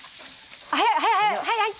速い速いはいはい。